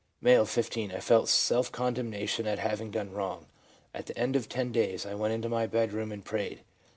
M., 15. ' I felt self condemnation at having done wrong. At the end of ten days I went into my bedroom and prayed.